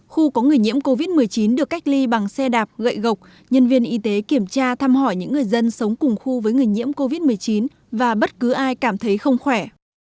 khu có người nhiễm covid một mươi chín được cách ly bằng xe đạp gậy gộc nhân viên y tế kiểm tra thăm hỏi những người dân sống cùng khu với người nhiễm covid một mươi chín và bất cứ ai cảm thấy không khỏe